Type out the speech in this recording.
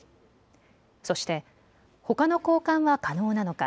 そしてほかの交換は可能なのか。